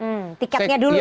tiketnya dulu ya